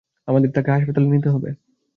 আমাদের তাকে হাসপাতালে নিতে হবে।